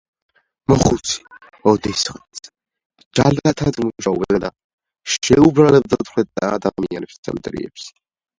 მოხუცი ოდესღაც ჯალათად მუშაობდა და შეუბრალებლად ხვრეტდა ადამიანებს